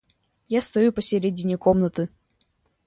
Я стою посередине комнаты.